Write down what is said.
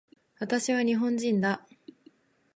私は日本人だ